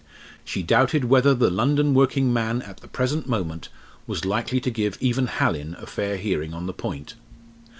She doubted whether the London working man at the present moment was likely to give even Hallin a fair hearing on the point.